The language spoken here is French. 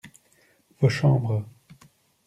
Vos chambres.